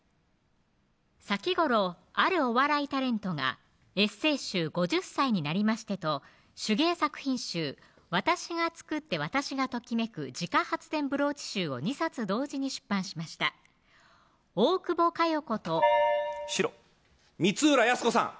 先頃あるお笑いタレントがエッセー集手芸作品集私が作って私がときめく自家発電ブローチ２冊同時に出版しました大久保佳代子と白光浦靖子さん